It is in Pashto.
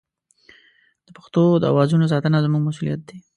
د پښتو د اوازونو ساتنه زموږ مسوولیت دی.